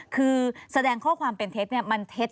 คือแสดงข้อความเป็นเท็จมันเท็จ